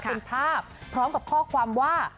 เป็นภาพพร้อมกับข้อความว่า